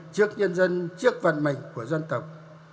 trước nhân dân trước vận mệnh của dân tộc